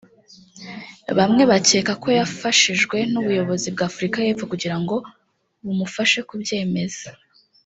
Bamwe bakeka ko yafashijwe n’ubuyobozi bwa Afurika Yepfo kugira ngo bumufashe kubyemeza